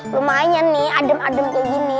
lumayan nih adem adem kayak gini